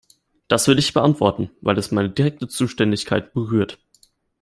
Das will ich beantworten, weil es meine direkte Zuständigkeit berührt.